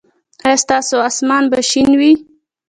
ایا ستاسو اسمان به شین وي؟